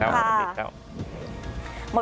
ขอบคุณค่ะ